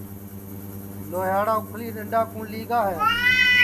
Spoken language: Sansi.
لھوھیاڑا اُکھݪی ڈؔنڈؔا کُوٹؔ لئگا ہے